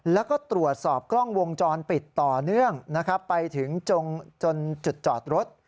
แล้วก็ตรวจสอบกล้องวงจรปิดต่อเนื่องนะครับไปถึงจนจุดจอดรถ